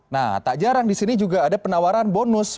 nah tak jarang disini juga ada penawaran bonus